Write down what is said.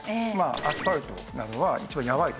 アスファルトなどは一番やわいですね夏。